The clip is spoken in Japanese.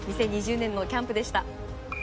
２０２０年のキャンプでした。